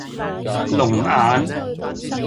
龍眼